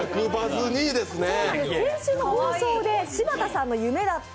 先週の放送で柴田さんの夢だった